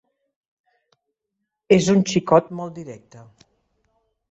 És un xicot molt directe.